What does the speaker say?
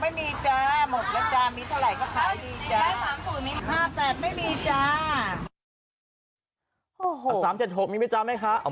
๓๗๖ไม่มีจ้าหมดแล้วจ้ามีเท่าไหร่ก็ขายดีจ้า